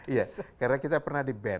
iya karena kita pernah di ban